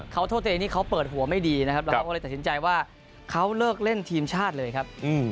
เขาโทษตัวเองที่เขาเปิดหัวไม่ดีนะครับแล้วเขาก็เลยตัดสินใจว่าเขาเลิกเล่นทีมชาติเลยครับ